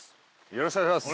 よろしくお願いします。